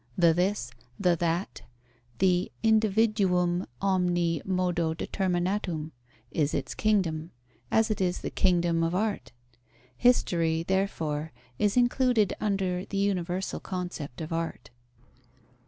The this, the that, the individuum omni modo determinatum, is its kingdom, as it is the kingdom of art. History, therefore, is included under the universal concept of art.